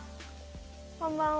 こんばんは。